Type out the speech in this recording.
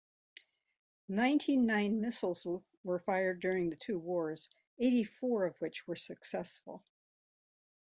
Ninety-nine missiles were fired during the two wars, eighty-four of which were successful.